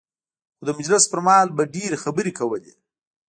خو د مجلس پر مهال به ډېرې خبرې کولې.